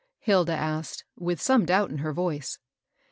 " Hilda asked, with some doubt in her voice.